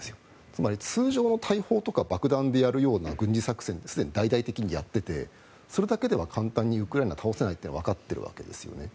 つまり通常の大砲とか爆弾でやるような軍事作戦ってすでに大々的にやっていてそれだけでは簡単にウクライナは倒せないというのがわかっているわけですよね。